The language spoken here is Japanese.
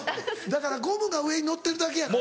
だからゴムが上に乗ってるだけやから。